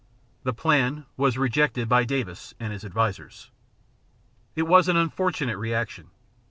The plan was rejected by Davis and his advisers. It was an unfortunate rejection.